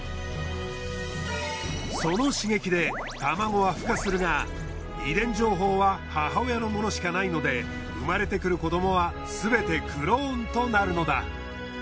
その刺激で卵は孵化するが遺伝情報は母親のものしかないので生まれてくる子どもはすべてクローンとなるのだ。